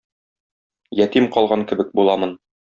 Ятим калган кебек буламын.